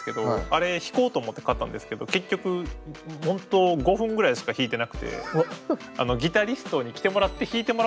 あれ弾こうと思って買ったんですけど結局本当５分ぐらいしか弾いてなくてギタリストに来てもらって弾いてもらうためのギターみたいな。